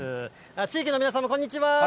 地域の皆さんもこんにちは。